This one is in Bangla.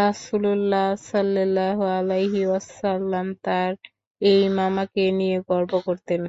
রাসূলুল্লাহ সাল্লাল্লাহু আলাইহি ওয়াসাল্লাম তার এই মামাকে নিয়ে গর্ব করতেন।